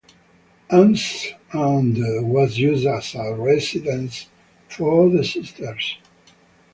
Anne's' and was used as a residence for the Sisters.